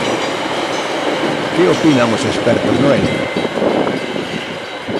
Que opinan os expertos, Noelia?